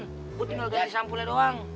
gue tinggal dari sampulnya doang